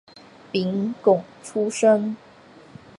廪贡出身。